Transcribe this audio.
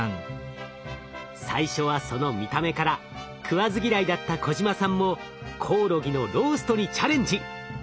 最初はその見た目から食わず嫌いだった小島さんもコオロギのローストにチャレンジ。